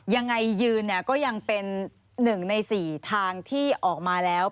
ยังไงยืนเนี่ยก็ยังเป็น๑ใน๔ทางที่ออกมาแล้ว